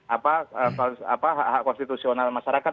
apa hak hak konstitusional masyarakat